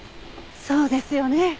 そうですよね。